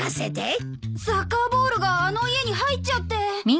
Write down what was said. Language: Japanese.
サッカーボールがあの家に入っちゃって。